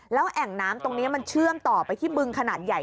แล้วแอ่งน้ำตรงนี้มันเชื่อมต่อไปที่บึงขนาดใหญ่